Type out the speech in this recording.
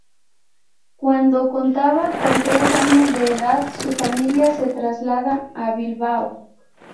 Cuando contaba con tres años de edad, su familia se traslada a Bilbao.